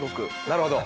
なるほど。